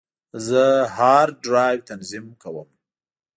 زه هارد ډرایو تنظیم کوم.